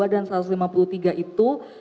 dan satu ratus lima puluh tiga itu